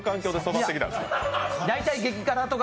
大体激辛とか。